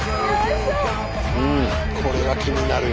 これは気になるよ。